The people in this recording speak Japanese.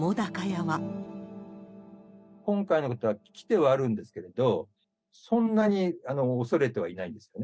今回のことは危機ではあるんですけれども、そんなに恐れてはいないんですね。